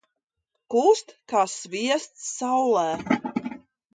Kūst kā sviests saulē.